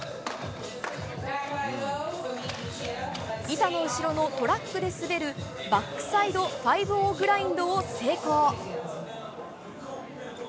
板の後ろのトラックで滑るバックサイドファイブオーグラインドを成功。